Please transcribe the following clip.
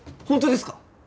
本当ですか？